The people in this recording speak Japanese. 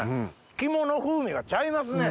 肝の風味がちゃいますね！